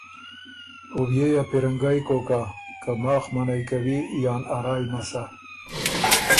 او بيې يې ا پیرنګئ کوک هۀ که ماخ منعئ کوی یان ا رائ نسا